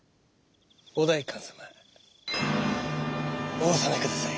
お代官様お納めください。